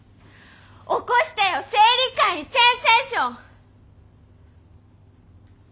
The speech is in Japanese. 起こしてよ生理界にセンセーション！！